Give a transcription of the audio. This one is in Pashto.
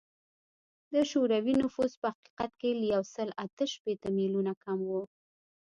د شوروي نفوس په حقیقت کې له یو سل اته شپیته میلیونه کم و